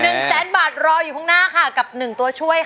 คุณยายแดงคะทำไมต้องซื้อลำโพงและเครื่องเสียง